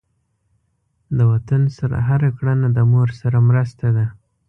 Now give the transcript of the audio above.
د وطن سره هر کړنه د مور سره مرسته ده.